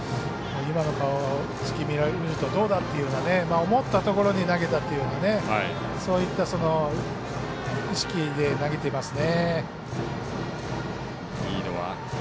今の顔つき見ると「どうだ」っていうような思ったところに投げたというそういった意識で投げてますね。